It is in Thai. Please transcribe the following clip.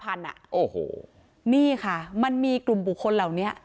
โอ้โหนี่ค่ะมันมีกลุ่มบุคคลเหล่านี้